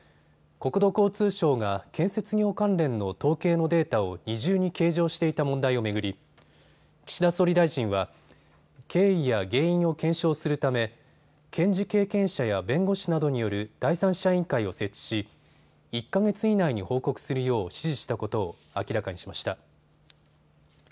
国土交通省が建設業関連の統計のデータを二重に計上していた問題を巡り岸田総理大臣は経緯や原因を検証するため検事経験者や弁護士などによる第三者委員会を設置し１か月以内に報告するよう指示したことを明らかにしました。